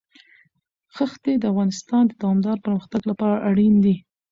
ښتې د افغانستان د دوامداره پرمختګ لپاره اړین دي.